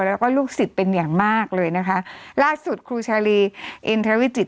แล้วก็ลูกศิษย์เป็นอย่างมากเลยนะคะล่าสุดครูชาลีอินทรวิจิต